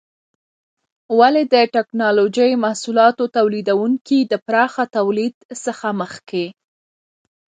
ولې د ټېکنالوجۍ محصولاتو تولیدونکي د پراخه تولید څخه مخکې؟